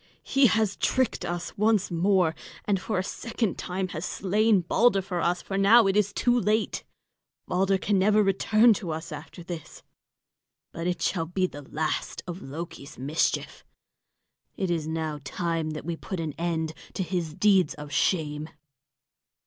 He has tricked us once more, and for a second time has slain Balder for us; for it is now too late, Balder can never return to us after this. But it shall be the last of Loki's mischief. It is now time that we put an end to his deeds of shame."